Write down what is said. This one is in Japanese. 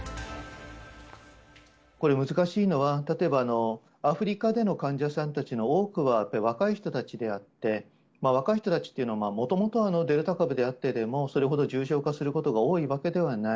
これ、難しいのは、例えば、アフリカでの患者さんたちの多くは若い人たちであって、若い人たちというのが、もともとデルタ株であってでもそれほど重症化することが多いわけではない。